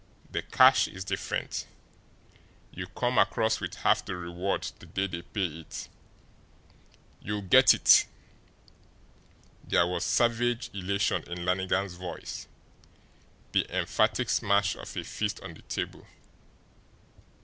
The cash is different you come across with half the reward the day they pay it." "You'll get it!" There was savage elation in Lannigan's voice, the emphatic smash of a fist on the table.